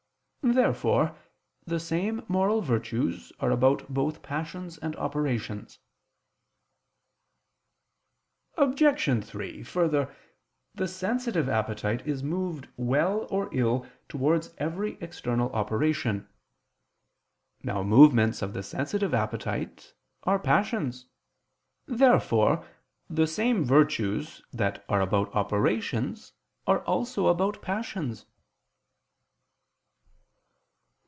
Therefore the same moral virtues are about both passions and operations. Obj. 3: Further, the sensitive appetite is moved well or ill towards every external operation. Now movements of the sensitive appetite are passions. Therefore the same virtues that are about operations are also about passions.